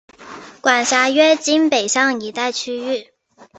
管辖约今北港一带区域。